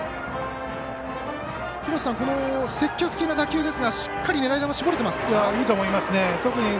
廣瀬さん、積極的な打球ですがしっかり狙い球絞れてますか。